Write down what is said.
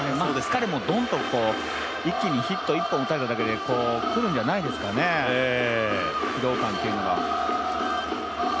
彼もどーんとヒットを１本打たれただけでくるんじゃないですかね、疲労感というのが。